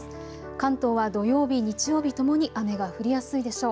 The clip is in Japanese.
関東は土曜日、日曜日ともに雨が降りやすいでしょう。